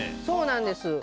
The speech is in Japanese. そうなんです。